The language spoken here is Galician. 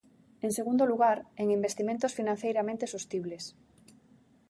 En segundo lugar, en investimentos financeiramente sostibles.